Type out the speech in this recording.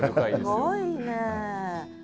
すごいねえ。